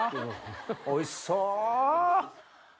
おいしそう！